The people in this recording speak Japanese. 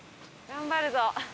頑張るぞ。